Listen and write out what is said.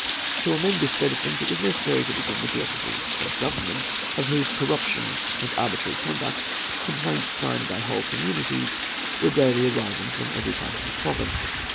To amend this state of things it was necessary to begin with the officers of Government, of whose corruption and arbitrary conduct complaints, signed by whole communities, were daily arriving from every part of the province.